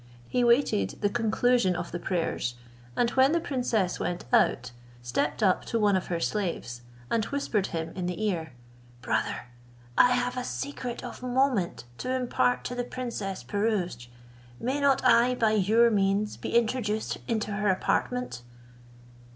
He waited the conclusion of the prayers, and when the princess went out, stepped up to one of her slaves, and whispered him in the ear, "Brother, I have a secret of moment to impart to the princess Pirouzč; may not I, by your means, be introduced into her apartment?"